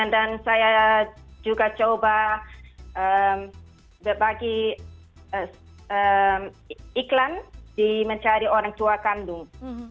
dan saya juga coba bagi iklan di mencari orang tua kandung